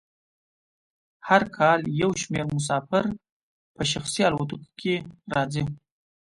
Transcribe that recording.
هر کال یو شمیر مسافر په شخصي الوتکو کې راځي